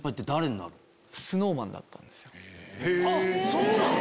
そうなの？